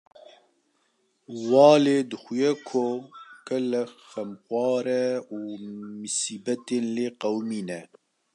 Walê dixuye ko gelek xemxwar e û misîbetin lê qewimîne.